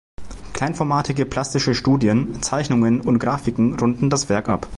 Kleinformatige plastische Studien, Zeichnungen und Grafiken runden das Werk ab.